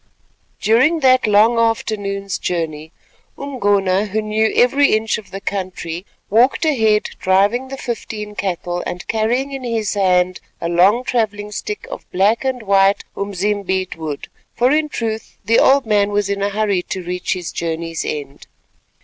During that long afternoon's journey Umgona, who knew every inch of the country, walked ahead driving the fifteen cattle and carrying in his hand a long travelling stick of black and white umzimbeet wood, for in truth the old man was in a hurry to reach his journey's end.